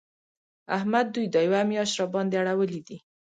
احمد دوی دا یوه مياشت راباندې اړولي دي.